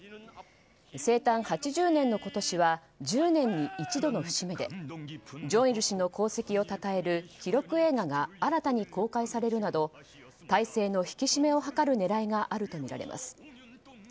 生誕８０年の今年は１０年に一度の節目で正日氏の功績をたたえる記録映画が新たに公開されるなど体制の引き締めを図る狙いがあるとみられます。